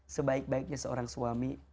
sebaik baiknya seorang suami